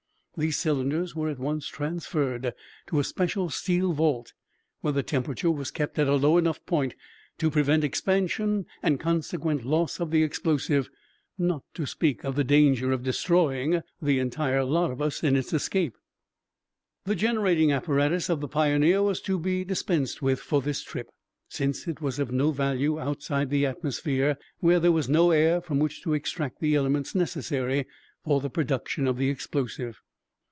These cylinders were at once transferred to a special steel vault where the temperature was kept at a low enough point to prevent expansion and consequent loss of the explosive, not to speak of the danger of destroying the entire lot of us in its escape. The generating apparatus of the Pioneer was to be dispensed with for this trip, since it was of no value outside the atmosphere where there was no air from which to extract the elements necessary for the production of the explosive.